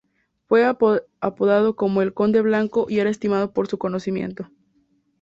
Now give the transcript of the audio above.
Fue apodado como 'El Conde Blanco' y era estimado por su conocimiento.